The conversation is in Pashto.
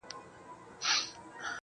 o خو بس دا ستا تصوير به كور وران كړو.